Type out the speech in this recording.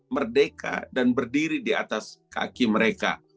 merdeka dan berdiri di atas kaki mereka